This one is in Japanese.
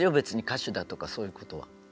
歌手だとかそういうことは。